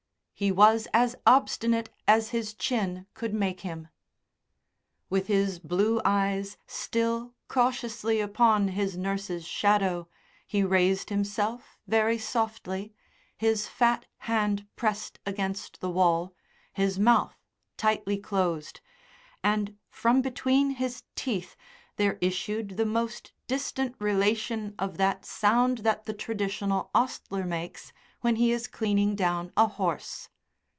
He was as obstinate as his chin could make him. With his blue eyes still cautiously upon his nurse's shadow he raised himself very softly, his fat hand pressed against the wall, his mouth tightly closed, and from between his teeth there issued the most distant relation of that sound that the traditional ostler makes when he is cleaning down a horse.